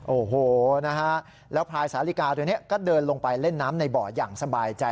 โอ้โหแล้วพลายสาวริกาก็เดินลงไปเล่นน้ำในบ่อยอย่างสบายใจ